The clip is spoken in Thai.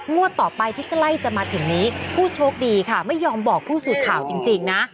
ต่อไปที่ใกล้จะมาถึงนี้ผู้โชคดีค่ะไม่ยอมบอกผู้สื่อข่าวจริงนะ